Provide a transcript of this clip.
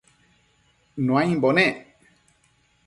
Nuaimbo nec